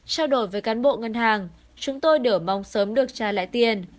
trao đổi với cán bộ ngân hàng chúng tôi đều mong sớm được trả lại tiền